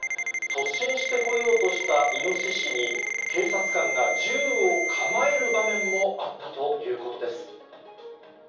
突進してこようとしたイノシシに、警察官が銃を構える場面もあったということです。